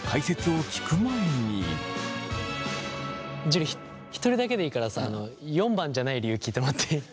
樹１人だけでいいからさ４番じゃない理由聞いてもらっていい？